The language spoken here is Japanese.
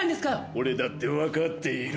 俺だって分かっている。